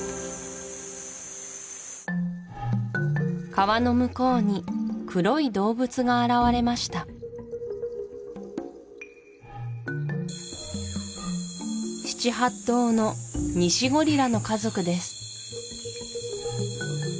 川の向こうに黒い動物が現れました７８頭のニシゴリラの家族です